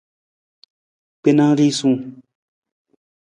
Gbena risung.